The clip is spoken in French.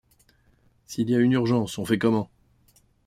S’il y a une urgence, on fait comment ?